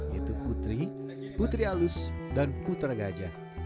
yaitu putri putri halus dan putra gajah